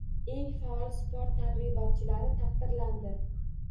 Eng faol sport targ‘ibotchilari taqdirlandi